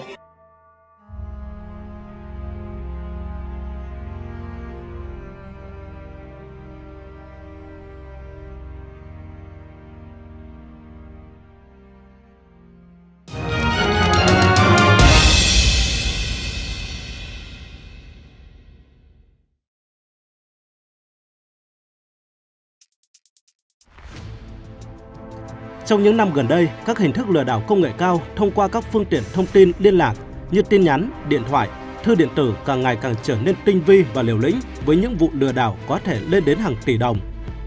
trong những năm gần đây các hình thức lừa đảo công nghệ cao thông qua các phương tiện thông tin liên lạc như tin nhắn điện thoại thư điện tử càng ngày càng trở nên tinh vi và liều lĩnh với những vụ lừa đảo có thể lên đến hàng tỷ đồng